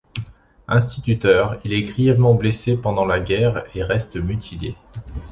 Instituteur, il est grièvement blessé pendant la guerre et reste mutilé.